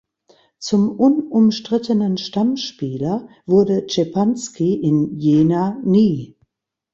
Zum unumstrittenen Stammspieler wurde Szepanski in Jena nie.